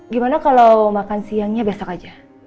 gimana kalau makan siangnya besok aja